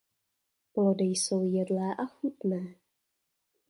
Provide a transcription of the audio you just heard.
Plody jsou jedlé a chutné.